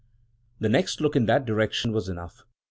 The next look in that direction was enough.